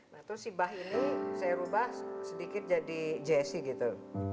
nah terus si bah ini saya ubah sedikit jadi jesse gitu